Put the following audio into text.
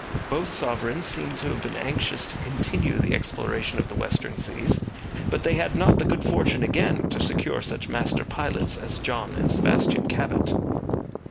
Both sovereigns seem to have been anxious to continue the exploration of the western seas, but they had not the good fortune again to secure such master pilots as John and Sebastian Cabot.